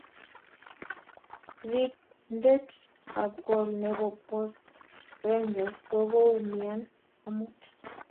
ripIndet ab gol nepo post rangers kokoumian amut